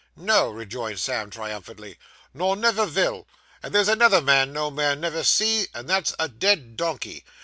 'No!' rejoined Sam triumphantly. 'Nor never vill; and there's another thing that no man never see, and that's a dead donkey.